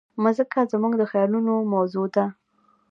مځکه زموږ د خیالونو موضوع ده.